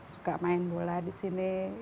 suka main bola di sini